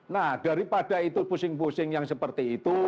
nah daripada itu pusing pusing yang seperti itu